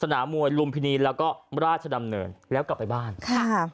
สนามมวยลุมพินีแล้วก็ราชดำเนินแล้วกลับไปบ้านค่ะ